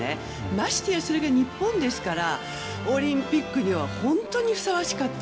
ましてや、それが日本ですからオリンピックには本当にふさわしかった。